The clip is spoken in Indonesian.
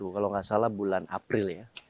kalau nggak salah bulan april ya